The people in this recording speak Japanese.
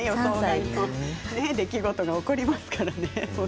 いろんな出来事が起こりますからね。